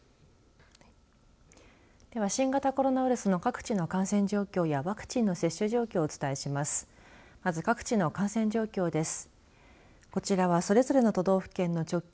では新型コロナウイルスの各地の感染状況やワクチンの接種状況をお伝えします。